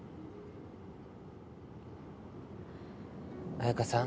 彩佳さん。